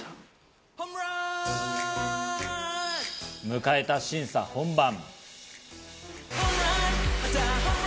迎えた審査本番。